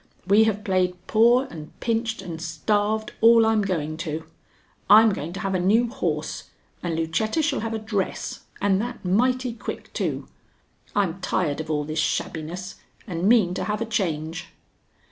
We have played poor and pinched and starved all I'm going to. I'm going to have a new horse, and Lucetta shall have a dress, and that mighty quick too. I'm tired of all this shabbiness, and mean to have a change."